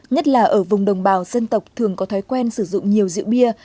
nhất là ở vùng đồng bào dân tộc thường có thói quen sử dụng nhiều rượu bia